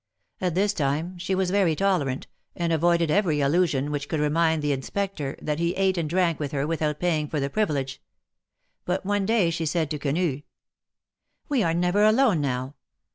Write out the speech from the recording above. At this time she was very tolerant, and avoided every allusion which THE MARKETS OF PARIS. 167 could remind the Inspector, that he ate and drank with her without paying for the privilege ; but one day she said to Quenu : ^^\Ye are never alone now.